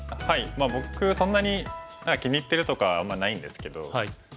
僕はそんなに気に入ってるとかはあんまないんですけど。